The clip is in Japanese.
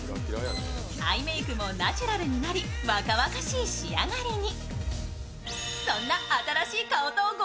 アイメイクもナチュラルになり若々しい仕上がりに。